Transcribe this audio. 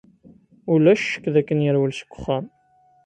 Ulac ccekk dakken yerwel seg uxxam.